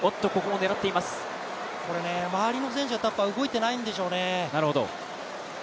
周りの選手が動いていないんでしょうね。